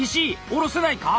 下ろせないのか？